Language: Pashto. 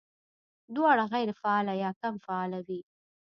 دواړه غېر فعاله يا کم فعاله وي